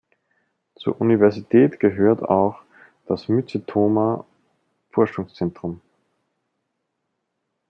Zur Universität gehört auch das Mycetoma-Forschungszentrum.